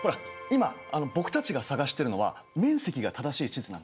今僕たちが探してるのは面積が正しい地図なんだ。